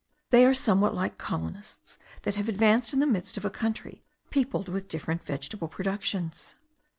They are somewhat like colonists that have advanced in the midst of a country peopled with different vegetable productions.